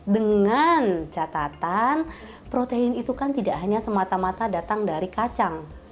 dengan catatan protein itu kan tidak hanya semata mata datang dari kacang